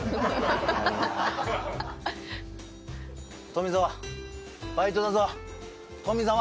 富澤バイトだぞ富澤。